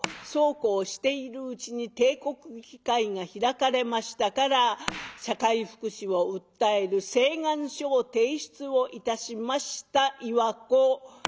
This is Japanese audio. そうこうしているうちに帝国議会が開かれましたから社会福祉を訴える請願書を提出をいたしました岩子。